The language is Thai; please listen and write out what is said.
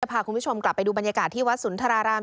พาคุณผู้ชมกลับไปดูบรรยากาศที่วัดสุนทราราม